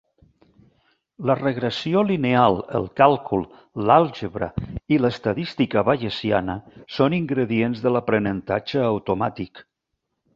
La regressió lineal, el càlcul, l'àlgebra i l'estadística bayesiana són ingredients de l'aprenentatge automàtic.